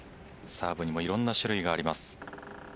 サーブにもいろんな種類があります。